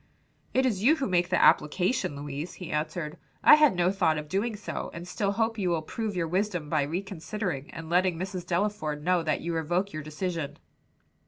"It is you who make the application, Louise," he answered. "I had no thought of doing so, and still hope you will prove your wisdom by reconsidering and letting Mrs. Delaford know that you revoke your decision."